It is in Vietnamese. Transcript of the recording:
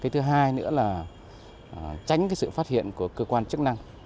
thứ hai nữa là tránh sự phát hiện của cơ quan chức năng